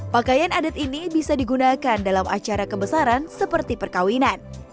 pakaian adat ini bisa digunakan dalam acara kebesaran seperti perkawinan